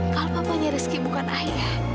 kalau papanya rizky bukan ayah